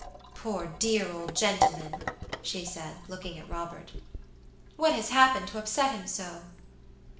"Poor dear old gentleman," she said, looking at Robert. "What has happened to upset him so?"